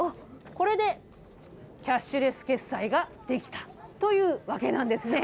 これでキャッシュレス決済ができたというわけなんですね。